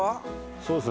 そうですね